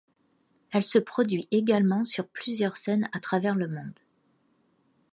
Elle se produit également sur plusieurs scènes à travers le monde.